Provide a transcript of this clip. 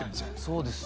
そうです。